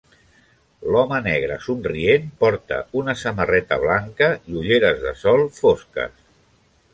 L'home negre somrient porta una samarreta blanca i ulleres de sol fosques.